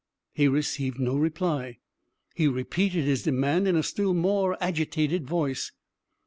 He received no reply. He repeated his demand in a still more agitated voice.